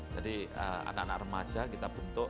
jadi anak anak remaja kita bentuk